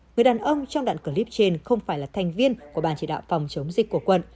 người đàn ông trong đoạn clip trên không phải là thành viên của ban chỉ đạo phòng chống dịch của quận